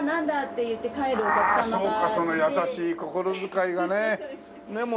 その優しい心遣いがね。